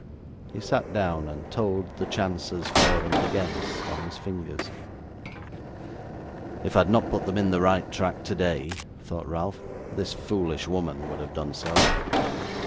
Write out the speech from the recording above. He sat down, and told the chances, for and against, on his fingers. 'If I had not put them in the right track today,' thought Ralph, 'this foolish woman would have done so.